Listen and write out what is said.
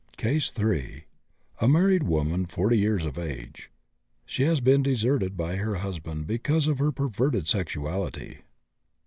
CASE III. A married woman 40 years of age. Has been deserted by her husband because of her perverted sexuality.